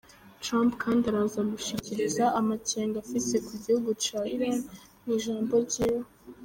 Trump kandi araza gushikiriza amakenga afise ku gihugu ca Iran mw'ijambo ryiwe.